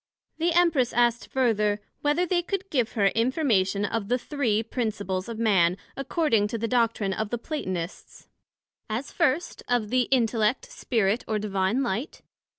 The Empress asked further, Whether they could give her information of the three principles of Man, according to the doctrine of the Platonists; as first of the Intellect, Spirit, or Divine Light.